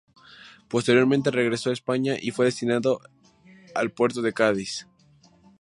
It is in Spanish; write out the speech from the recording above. Posteriormente, regresó a España y fue destinado al puerto de Cádiz.